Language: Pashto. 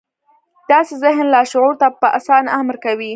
داسې ذهن لاشعور ته په اسانۍ امر کوي